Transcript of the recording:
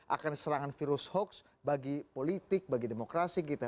akan serangan virus hoax bagi politik bagi demokrasi kita